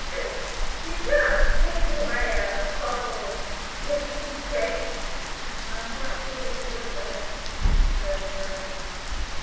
But you can't take away a whole tipshy cake!" "I am quite sure you did your best," murmured Paradine.